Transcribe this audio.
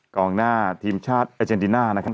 กองหน้าทีมชาติอาเจนติน่านะครับ